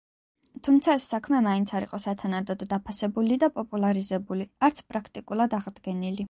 თუმცა ეს საქმე მაინც არ იყო სათანადოდ დაფასებული და პოპულარიზებული, არც პრაქტიკულად აღდგენილი.